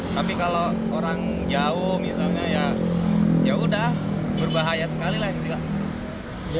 tapi kalau orang jauh misalnya ya yaudah berbahaya sekali lah istilahnya